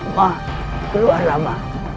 ma keluar lama